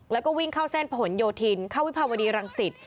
แล้วก็วิ่งเข้าเส้นผนโยธินเข้าวิภาวดีรังสิต